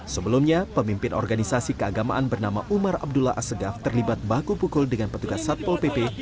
sebelumnya pemimpin organisasi keagamaan bernama umar abdullah asegaf terlibat baku pukul dengan petugas satpol pp